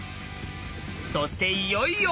そしていよいよ。